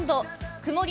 曇り